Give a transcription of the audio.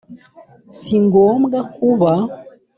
si ngombwa kuba